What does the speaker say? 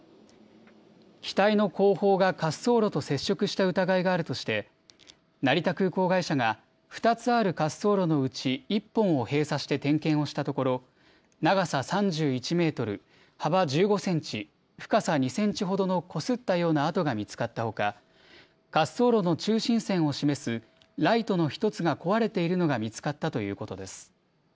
機体の後方が滑走路と接触した疑いがあるとして成田空港会社が２つある滑走路のうち１本を閉鎖して点検をしたところ長さ３１メートル、幅１５センチ、深さ２センチほどのこすったような跡が見つかったほか、滑走路の中心線を示すライトの１つが壊れているのが見つかったということです。